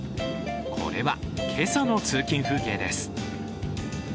これは今朝の通勤風景です。